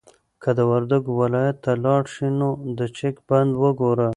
که د وردګو ولایت ته لاړ شې نو د چک بند وګوره.